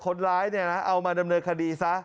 คนร้ายเอามาดำเนินคดี